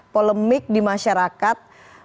polemik di masyarakat